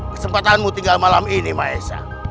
kesempatanmu tinggal malam ini maesa